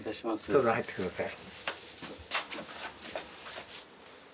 どうぞ入って下さい。